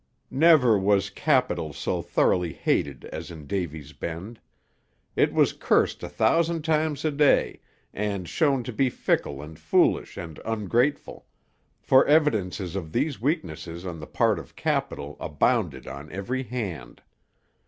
Never was Capital so thoroughly hated as in Davy's Bend. It was cursed a thousand times a day, and shown to be fickle and foolish and ungrateful; for evidences of these weaknesses on the part of Capital abounded on every hand.